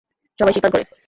সবাই শিকার করে।